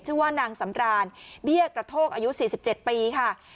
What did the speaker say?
ชื่อว่านางสำรานเบี้ยกระโทกอายุ๔๗ปีค่ะ